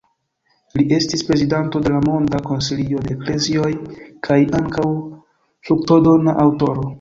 Li estis prezidanto de la Monda Konsilio de Eklezioj kaj ankaŭ fruktodona aŭtoro.